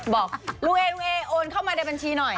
บอกลุงเอลุงเอโอนเข้ามาในบัญชีหน่อย